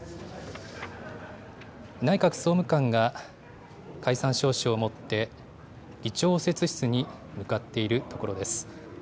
内閣総務官が解散詔書を持って、議長応接室に向かっているところです。